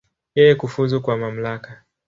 Yeye kufuzu kwa mamlaka.